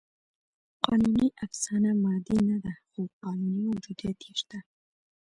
قانوني افسانه مادي نهده؛ خو قانوني موجودیت یې شته.